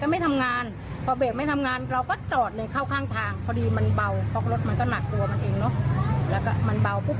ไม่เหลืออะไรเลยนะครับ